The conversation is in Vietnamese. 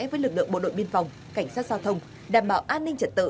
với lực lượng bộ đội biên phòng cảnh sát giao thông đảm bảo an ninh trật tự